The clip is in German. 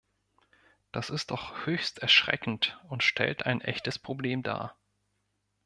Das ist doch höchst erschreckend und stellt ein echtes Problem dar.